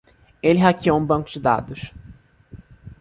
Ele hackeou um banco de dados.